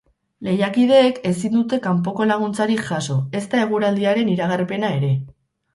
Lehiakideek ezin dute kanpoko laguntzarik jaso, ezta eguraldiaren iragarpena ere.